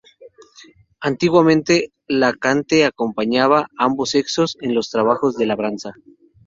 Antiguamente el cante acompañaba a ambos sexos en los trabajos de la labranza.